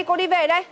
cô đi về đây